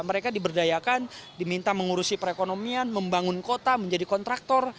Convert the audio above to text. mereka diberdayakan diminta mengurusi perekonomian membangun kota menjadi kontraktor